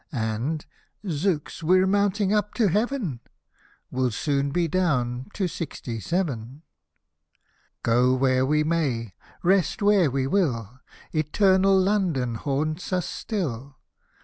— And — (zooks, we're mounting up to heaven I) — Will soon be down to sixty seven." Go where we may — rest where we will, Eternal London haunts us still.